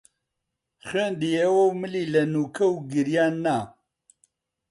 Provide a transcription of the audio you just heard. خوێندیەوە و ملی لە نووکە و گریان نا